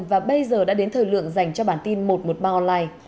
và bây giờ đã đến thời lượng dành cho bản tin một trăm một mươi ba online